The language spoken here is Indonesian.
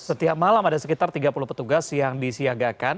setiap malam ada sekitar tiga puluh petugas yang disiagakan